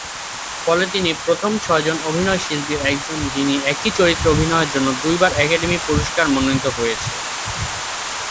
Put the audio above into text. ফলে তিনি প্রথম ছয়জন অভিনয়শিল্পীর একজন যিনি একই চরিত্রে অভিনয়ের জন্য দুইবার একাডেমি পুরস্কারে মনোনীত হয়েছেন।